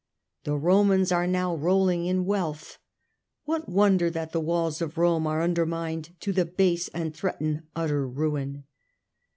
The Romans are now rolling in wealth ; what w r onder that the walls of the Church are undermined to the base and threaten utter ruin."